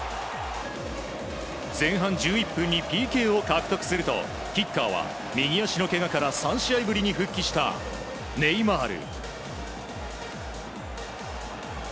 前半１１分にＰＫを獲得するとキッカーは右足のけがから３試合ぶりに復帰したネイマール。